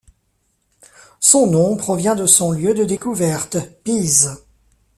Son nom provient de son lieu de découverte, Pise.